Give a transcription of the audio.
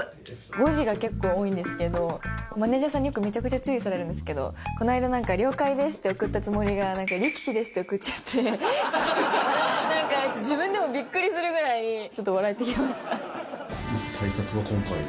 誤字が結構多いんですけど、マネージャーさんによく、めちゃめちゃ注意されるんですけど、この間、了解ですって送ったつもりが、なんか力士ですって送っちゃって、なんか自分でもびっくりするぐら対策は今回？